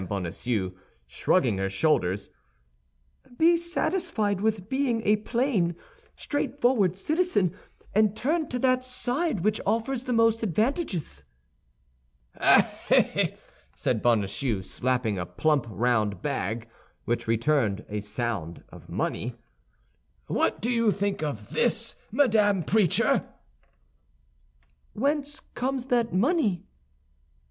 Bonacieux, shrugging her shoulders. "Be satisfied with being a plain, straightforward citizen, and turn to that side which offers the most advantages." "Eh, eh!" said Bonacieux, slapping a plump, round bag, which returned a sound a money; "what do you think of this, Madame Preacher?" "Whence comes that money?"